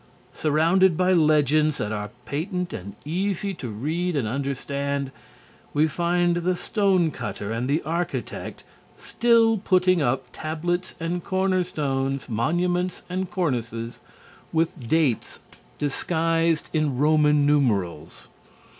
Surrounded by legends that are patent and easy to read and understand, we find the stone cutter and the architect still putting up tablets and cornerstones, monuments and cornices, with dates disguised in Roman numerals.